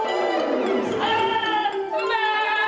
eh dia kan laki gua